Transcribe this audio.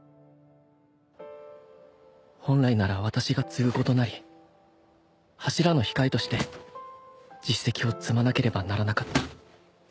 本来なら私が継子となり柱の控えとして実績を積まなければならなかった。